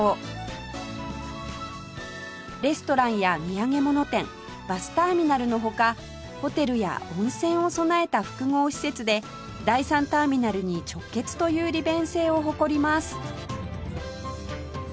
レストランや土産物店バスターミナルの他ホテルや温泉を備えた複合施設で第３ターミナルに直結という利便性を誇ります